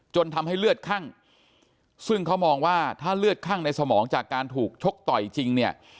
ทำให้เลือดคั่งซึ่งเขามองว่าถ้าเลือดคั่งในสมองจากการถูกชกต่อยจริงเนี่ย